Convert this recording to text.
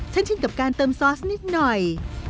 ชินกับการเติมซอสนิดหน่อย